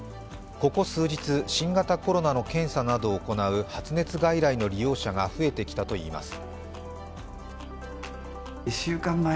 ここ数日、新型コロナの検査などを行う発熱外来の利用者が増えてきたといいます。